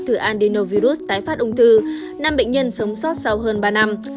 từ andinovirus tái phát ung thư năm bệnh nhân sống sót sau hơn ba năm